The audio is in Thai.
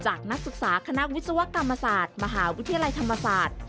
นักศึกษาคณะวิศวกรรมศาสตร์มหาวิทยาลัยธรรมศาสตร์